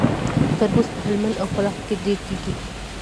تربوز په هلمند او فراه کې ډیر کیږي.